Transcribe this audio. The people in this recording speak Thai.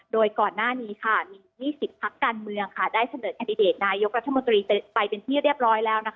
โดยก่อนหน้านี้มี๒๐พักการเมืองได้เสนอแคนดิเดตนายกรัฐมนตรีไปเป็นที่เรียบร้อยแล้ว